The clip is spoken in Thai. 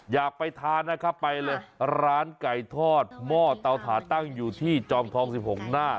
อยากไปทานนะครับไปเลยร้านไก่ทอดหม้อเตาถาตั้งอยู่ที่จอมทอง๑๖หน้า